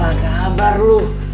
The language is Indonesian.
gak habar lu